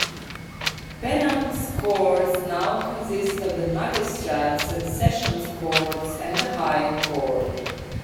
Penang's courts now consist of the Magistrates and Sessions Courts, and the High Court.